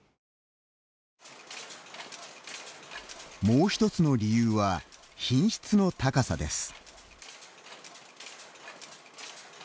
もう１つの理由は品質の高さです。